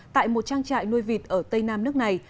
tại một trang trại nuôi vịt ở tây nam nước này